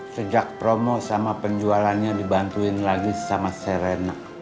sejak promo sama penjualannya dibantuin lagi sama serena